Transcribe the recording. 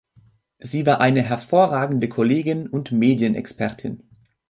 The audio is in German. Sie war eine hervorragende Kollegin und Medienexpertin.